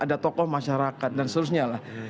ada tokoh masyarakat dan seterusnya lah